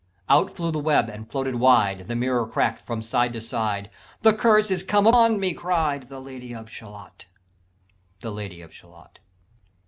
Out flew the web and floated wide; The mirror crack'd from side to side, 'The curse is come upon me,' cried The Lady of Shalott." _The Lady of Shalott.